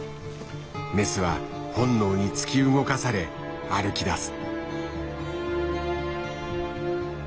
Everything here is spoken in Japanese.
メスは本能に突き動かされ歩きだす。